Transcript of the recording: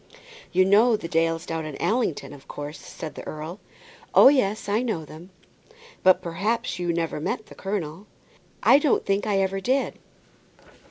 "You know the Dales down at Allington, of course," said the earl. "Oh, yes, I know them." "But, perhaps, you never met the colonel." "I don't think I ever did."